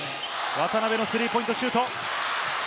渡邊のスリーポイントシュート。